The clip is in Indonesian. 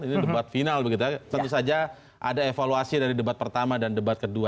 ini debat final begitu ya tentu saja ada evaluasi dari debat pertama dan debat kedua